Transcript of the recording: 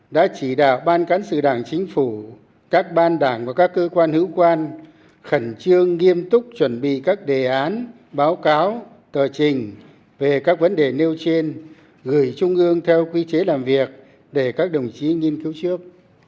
đã chỉ đạo ban cán sự đảng chính phủ các ban đảng và các cơ quan hữu quan khẩn trương nghiêm túc chuẩn bị các đề án báo cáo tờ trình về các vấn đề nêu trên gửi trung ương theo quy chế làm việc để các đồng chí nghiên cứu trước